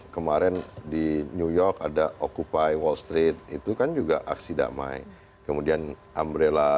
kemarin di new york ada occupai wall street itu kan juga aksi damai kemudian umbrella